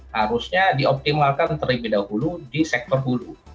harusnya dioptimalkan terlebih dahulu di sektor hulu